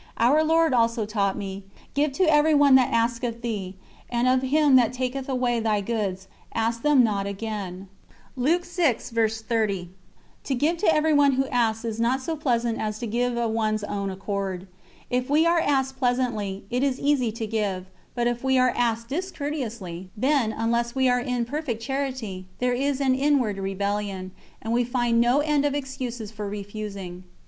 Our Lord also taught me: "Give to everyone that asketh thee; and of him that taketh away thy goods, ask them not again." To give to everyone who asks is not so pleasant as to give of one's own accord. If we are asked pleasantly, it is easy to give; but if we are asked discourteously, then, unless we are perfect in charity, there is an inward rebellion, and we find no end of excuses for refusing.